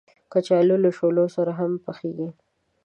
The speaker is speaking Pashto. کچالو له شولو سره هم پخېږي